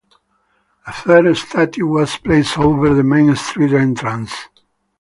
A third statue was placed over the Main Street entrance.